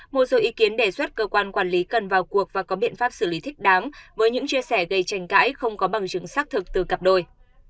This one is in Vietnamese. một số ý kiến đề xuất cơ quan quản lý cần vào cuộc và có biện pháp xử lý thích đáng với những chia sẻ gây tranh cãi không có bằng chứng xác thực từ cặp đôi